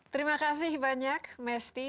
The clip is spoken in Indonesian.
terima kasih banyak mesti